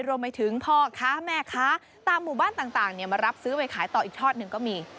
รวมไปถึงพ่อค้าแม่ค้าตามหมู่บ้านต่างมารับซื้อไปขายต่ออีกทอดหนึ่งก็มี